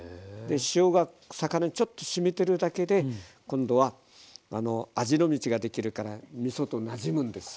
塩が魚にちょっとしみてるだけで今度は「味の道」ができるからみそとなじむんです。